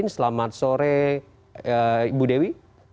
selamat sore ibu dewi